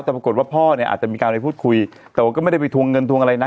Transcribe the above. แต่ปรากฏว่าพ่อเนี่ยอาจจะมีการไปพูดคุยแต่ว่าก็ไม่ได้ไปทวงเงินทวงอะไรนะ